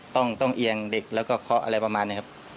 ต้องเอียงเด็กแล้วก็เคาะอะไรประมาณนี้ครับ